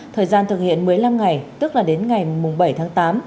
thời gian thực hiện một mươi năm ngày tức là đến ngày bảy tháng tám